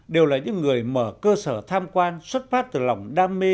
đều là những người mở cơ sở tham quan xuất phát từ lòng đam mê